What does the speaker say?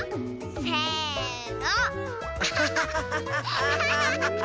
せの。